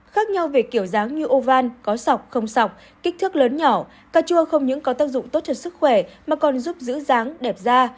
khác nhau về kiểu dáng như ô van có sọc không sọc kích thước lớn nhỏ cà chua không những có tác dụng tốt cho sức khỏe mà còn giúp giữ dáng đẹp da